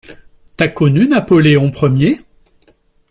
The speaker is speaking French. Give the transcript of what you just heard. T'as connu Napoléon Ier ?